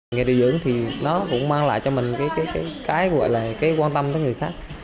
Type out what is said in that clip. nghề điều dưỡng thì nó cũng mang lại cho mình cái gọi là cái quan tâm tới người khác